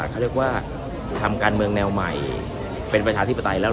เขาเรียกว่าทำการเมืองแนวใหม่เป็นประชาธิปไตยแล้ว